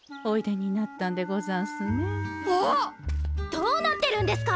どうなってるんですか！